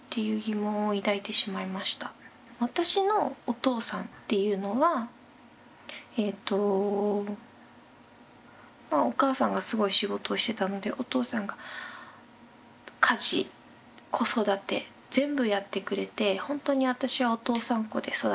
私のお父さんっていうのはえっとお母さんがすごい仕事をしてたのでお父さんが家事子育て全部やってくれて本当に私はお父さん子で育ちました。